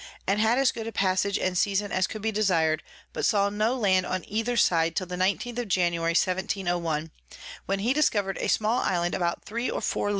and had as good a Passage and Season as could be desir'd, but saw no Land on either side till the 19_th_ of January 1701. when he discover'd a small Island about 3 or 4 Ls.